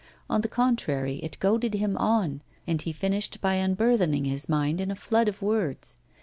On the contrary, it goaded him on, and he finished by unburthening his mind in a flood of words.